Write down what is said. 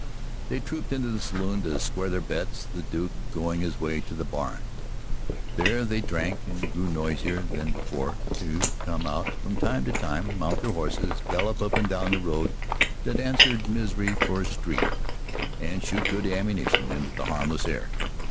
They trooped into the saloon to square their bets, the Duke going his way to the barn. There they drank and grew noisier than before, to come out from time to time, mount their horses, gallop up and down the road that answered Misery for a street, and shoot good ammunition into the harmless air.